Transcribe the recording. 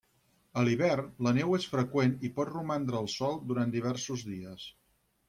A l'hivern, la neu és freqüent i pot romandre al sòl durant diversos dies.